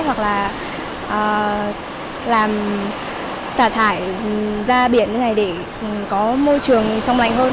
hoặc là làm xả thải ra biển như thế này để có môi trường trong lạnh hơn